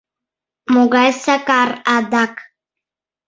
— Могай Сакар, адак?